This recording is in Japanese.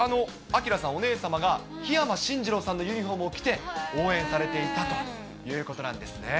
あきらさん、お姉様が桧山進次郎さんのユニホームを着て、応援されていたということなんですね。